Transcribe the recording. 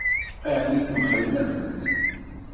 Ɛni temxellemt?